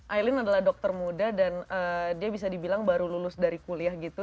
aileen adalah dokter muda dan dia bisa dibilang baru lulus dari kuliah gitu